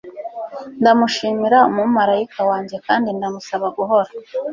Ndamushimira umumarayika wanjye kandi ndamusaba guhora